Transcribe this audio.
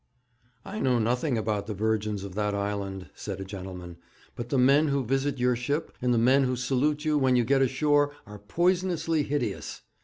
"' 'I know nothing about the virgins of that island,' said a gentleman; 'but the men who visit your ship, and the men who salute you when you get ashore, are poisonously hideous.